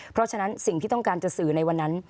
เพราะฉะนั้นสิ่งที่ต้องการจะสื่อในวันนั้น